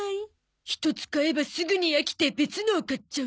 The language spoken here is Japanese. １つ買えばすぐに飽きて別のを買っちゃう。